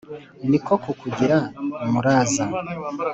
ni ko kukugira umuraza ;